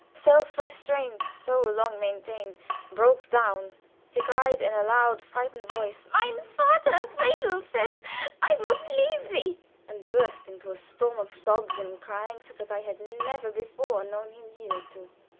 Self restraint, so long maintained, broke down; he cried in a loud, frightened voice: "Mein Vater, Friedel says I must leave thee!" and burst into a storm of sobs and crying such as I had never before known him yield to.